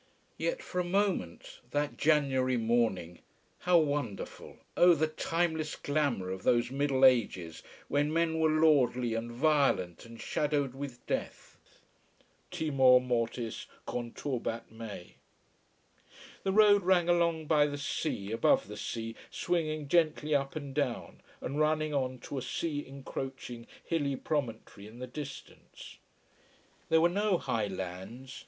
Yet for a moment, that January morning, how wonderful, oh, the timeless glamour of those Middle Ages when men were lordly and violent and shadowed with death. "Timor mortis conturbat me." The road ran along by the sea, above the sea, swinging gently up and down, and running on to a sea encroaching hilly promontory in the distance. There were no high lands.